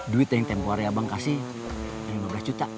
duit yang tempuh hari abang kasih lima belas juta